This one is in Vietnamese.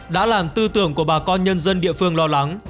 đã làm tư tưởng của bà con nhân dân địa phương lo lắng